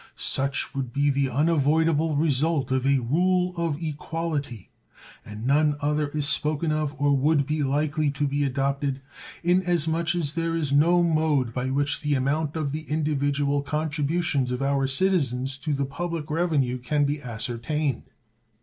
Such would be the unavoidable result of a rule of equality (and none other is spoken of or would be likely to be adopted), in as much as there is no mode by which the amount of the individual contributions of our citizens to the public revenue can be ascertained.